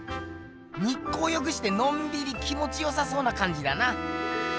日光浴してのんびり気もちよさそうなかんじだな。